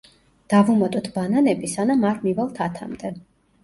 დავუმატოთ ბანანები სანამ არ მივალთ ათამდე.